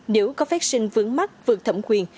nếu có phép sinh vướng mắt vượt thẩm quyền